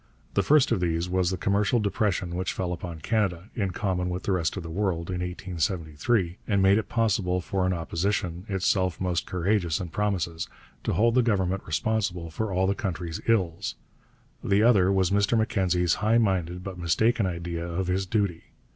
The first of these was the commercial depression which fell upon Canada, in common with the rest of the world, in 1873, and made it possible for an Opposition, itself most courageous in promises, to hold the Government responsible for all the country's ills. The other was Mr Mackenzie's high minded but mistaken idea of his duty.